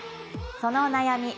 そのお悩み